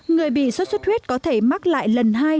người bị sốt xuất huyết có thể mắc lại lần hai